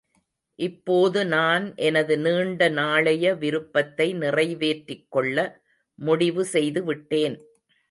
இப்போது நான், எனது நீண்ட நாளைய விருப்பத்தை நிறைவேற்றிக் கொள்ள முடிவு செய்து விட்டேன்.